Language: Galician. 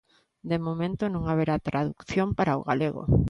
De momento, non haberá tradución para o galego.